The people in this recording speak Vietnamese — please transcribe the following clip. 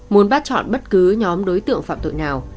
muốn bắt chọn bất cứ nhóm đối tượng phạm tội nào